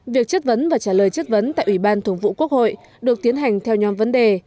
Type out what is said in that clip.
việc chất vấn và trả lời chất vấn tại ủy ban thường vụ quốc hội được tiến hành theo nhóm vấn đề